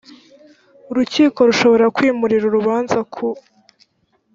urukiko rushobora kwimurira urubanza ku